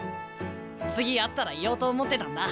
次会ったら言おうと思ってたんだ。